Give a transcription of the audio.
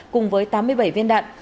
cùng với tám mươi bảy viên đạn